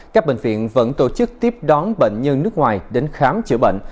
các bệnh viện vẫn tổ chức tiếp đón bệnh nhân nước ngoài đến khám chữa bệnh